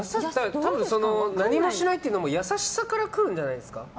多分、何もしないというのも優しさから来るんじゃないんですか。